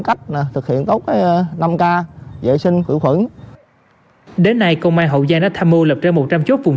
cách thực hiện tốt năm k vệ sinh khử khuẩn đến nay công an hậu giang đã tham mưu lập trên một trăm linh chốt vùng